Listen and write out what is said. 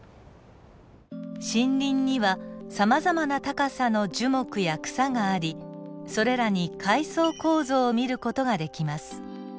森林にはさまざまな高さの樹木や草がありそれらに階層構造を見る事ができます。